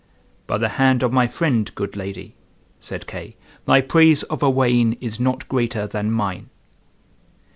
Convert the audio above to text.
"By the hand of my friend, good lady," said Kay, "thy praise of Owain is not greater than mine."